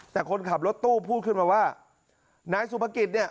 แต่คนขับรถตู้พูดขึ้นมาว่านายสุภกิจเนี่ย